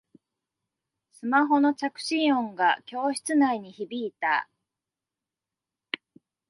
スマホの着信音が教室内に響いた